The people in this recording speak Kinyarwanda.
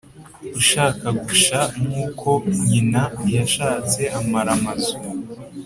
Ushaka gusha nk’uko nhyina yashatse ,amara amzu